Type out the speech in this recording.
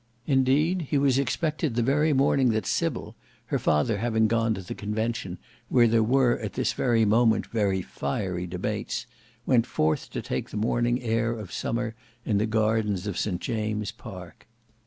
Indeed he was expected the very morning that Sybil, her father having gone to the Convention where there were at this very moment very fiery debates, went forth to take the morning air of summer in the gardens of St James' Park.